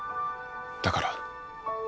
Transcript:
だから。